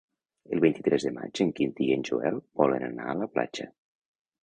El vint-i-tres de maig en Quintí i en Joel volen anar a la platja.